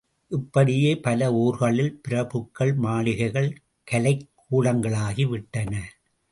இப்படியே பல ஊர்களில் பிரபுக்கள் மாளிகைகள் கலைக் கூடங்களாகி விட்டன.